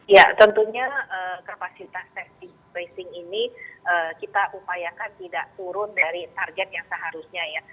ya tentunya kapasitas testing tracing ini kita upayakan tidak turun dari target yang seharusnya ya